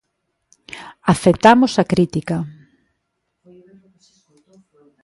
Aceptamos a crítica.